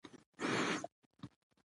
د واک محدودول عدالت ساتي